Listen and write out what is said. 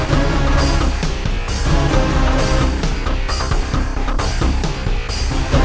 nianak bisa lolos dari pangeran